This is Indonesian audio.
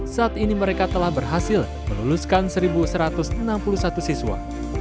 saat ini mereka telah berhasil meluluskan satu satu ratus enam puluh satu siswa